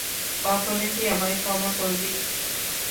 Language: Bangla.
কখনো কি আমায় ক্ষমা করবি?